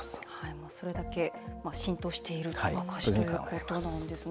もうそれだけ浸透している証しということなんですね。